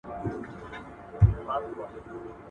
• چي ايږه دي نه وي نيولې، څرمن ئې مه خرڅوه.